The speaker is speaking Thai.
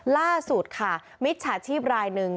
ล่าสุดมิทชาชีพรายหนึ่ง